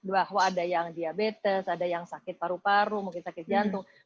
bahwa ada yang diabetes ada yang sakit paru paru mungkin sakit jantung